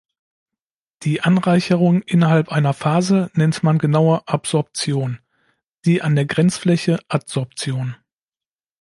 Die Anreicherung innerhalb einer Phase nennt man genauer "Ab"sorption, die an der Grenzfläche "Ad"sorption.